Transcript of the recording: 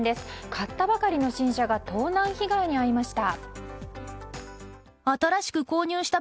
買ったばかりの新車が盗難被害に遭いました。